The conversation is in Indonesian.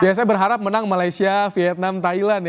biasanya berharap menang malaysia vietnam thailand ya